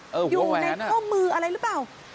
หัวแหวนน่ะอยู่ในข้อมืออะไรหรือเปล่า